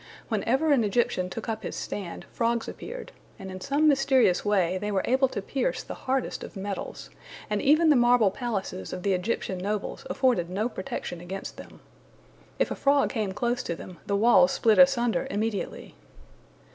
Wherever an Egyptian took up his stand, frogs appeared, and in some mysterious way they were able to pierce the hardest of metals, and even the marble palaces of the Egyptian nobles afforded no protection against them. If a frog came close to them, the walls split asunder immediately.